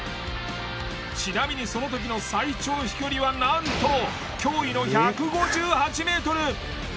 ちなみにその時の最長飛距離はなんと驚異の１５８メートル！